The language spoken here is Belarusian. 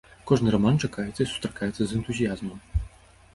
Кожны раман чакаецца і сустракаецца з энтузіязмам.